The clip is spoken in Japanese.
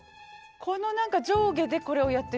この上下でこれをやってるんだ。